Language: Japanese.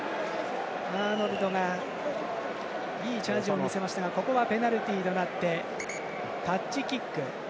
アーノルドがいいチャージを見せましたがここはペナルティとなってタッチキック。